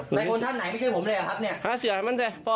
กลายโคนท่านไหนไม่ใช่ผมได้อะครับเนี่ย